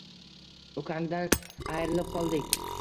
Ukangdan ayrilib qoldik